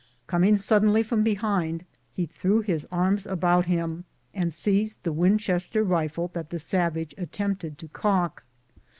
Coming suddenly from behind, he threw his arms about him, and seized the Winchester rifle that the savage attempted to cock.